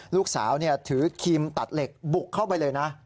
ลูกสาวถือครีมตัดเหล็กบุกเข้าไปเลยนะ